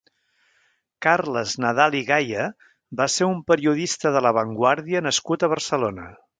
Carles Nadal i Gaya va ser un periodista de La Vanguardia nascut a Barcelona.